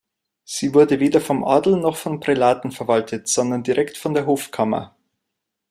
Sie wurde weder vom Adel noch von Prälaten verwaltet, sondern direkt von der Hofkammer.